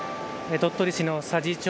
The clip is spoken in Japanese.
鳥取市の佐治町